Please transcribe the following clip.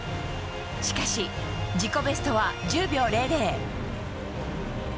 しかし自己ベストは１０秒００。